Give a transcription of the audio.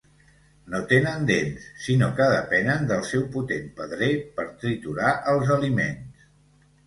No tenen dents, sinó que depenen del seu potent pedrer per triturar els aliments.